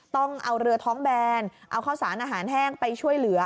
ต้องเอาเรือท้องแบนเอาข้าวสารอาหารแห้งไปช่วยเหลือ